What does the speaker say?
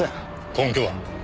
根拠は？